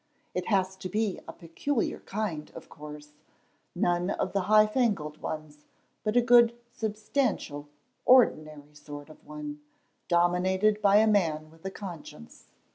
It has to be a peculiar kind, of course, none of the high fangled ones, but a good, substantial, ordinary sort of one, dominated by a man with a conscience.